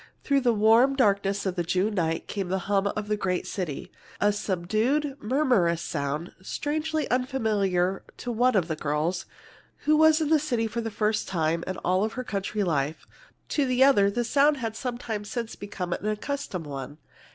Through the warm darkness of the June night came the hum of a great city, a subdued, murmurous sound, strangely unfamiliar to one of the girls, who was in the city for the first time in all her country life. To the other the sound had some time since become an accustomed one.